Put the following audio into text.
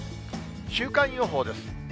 週間予報です。